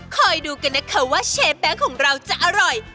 ดูกันนะคะว่าเชฟแบงค์ของเราจะอร่อย